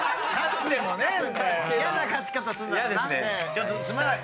ちょっとすまない！